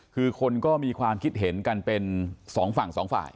คือคนก็มีความคิดเห็นกันเป็นสองฝั่งสองฝ่าย